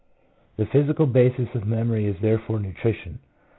3 The physical basis of memory is therefore nutrition.